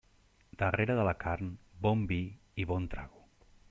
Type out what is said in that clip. Darrere de la carn, bon vi i bon trago.